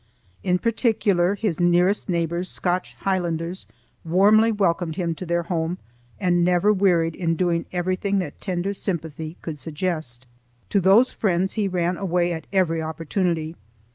In particular, his nearest neighbors, Scotch Highlanders, warmly welcomed him to their home and never wearied in doing everything that tender sympathy could suggest. To those friends he ran gladly at every opportunity.